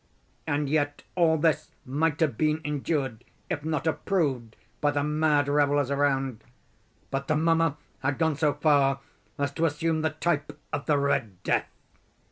And yet all this might have been endured, if not approved, by the mad revellers around. But the mummer had gone so far as to assume the type of the Red Death.